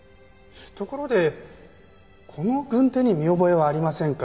ところでこの軍手に見覚えはありませんか？